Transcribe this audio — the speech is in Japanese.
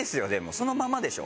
そのままでしょ？